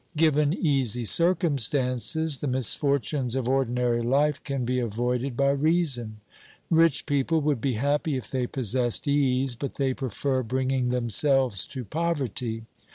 Given easy circumstances, the misfortunes of ordinary life can be avoided by reason. Rich people would be happy if they possessed ease, but they prefer bringing themselves to poverty.